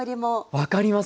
分かります。